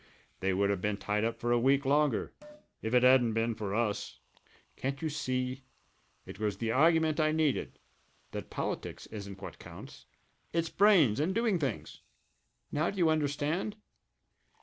They would have been tied up for a week longer if it hadn't been for us. Can't you see? It was the argument I needed that politics isn't what counts it's brains and doing things! Now do you understand?